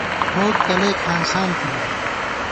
ٹھوک تلَئیک ہانسان تھِمان